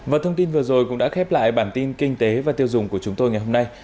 và thông tin vừa rồi cũng đã khép lại bản tin kinh tế và tiêu dùng của chúng tôi ngày hôm nay